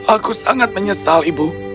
aku sangat menyesal ibu